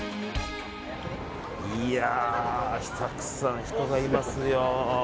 たくさん人がいますよ。